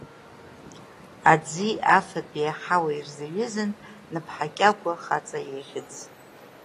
Аӡи, афатәи, аҳауеи ирзаҩызан Наԥҳа Кьагәа хаҵа ихьӡ.